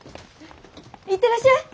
行ってらっしゃい。